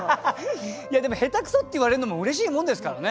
でも下手くそって言われるのもうれしいもんですからね。